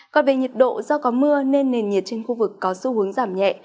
còn về nhiệt độ do có mưa nên nền nhiệt trên khu vực có xu hướng giảm nhẹ